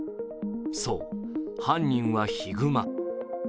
そう、犯人はヒグマ。